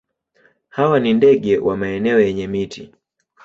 Hawa ni ndege wa maeneo yenye miti.